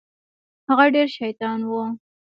هغه ډېر شيطان و.